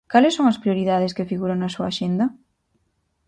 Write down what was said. Cales son as prioridades que figuran na súa axenda?